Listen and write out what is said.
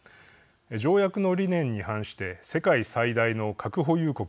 条約の理念に反して世界最大の核保有国